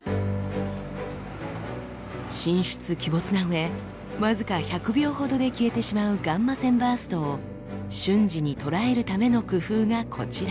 神出鬼没なうえ僅か１００秒ほどで消えてしまうガンマ線バーストを瞬時に捉えるための工夫がこちら。